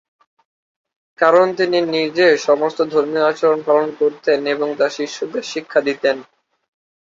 কারন তিনি নিজে সমস্ত ধর্মীয় আচরণ পালন করতেন এবং তার শিষ্যদের শিক্ষা দিতেন।